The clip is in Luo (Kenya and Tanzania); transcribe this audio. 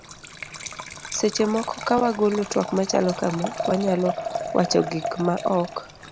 seche moko ka wagolo twak machalo kama, wanyalo wacho gik ma ok